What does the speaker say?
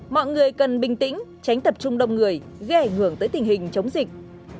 mọi người cần bình tĩnh tránh tập trung đông người ghé ngưỡng tới tình hình chống dịch